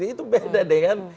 itu beda dengan